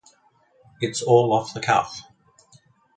It's all off the cuff.